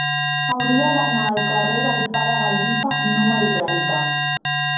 Hauria d'anar al carrer del Pare Gallifa número trenta.